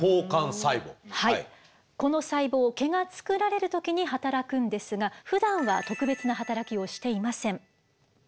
この細胞毛が作られる時に働くんですがふだんは特別な働きをしていません。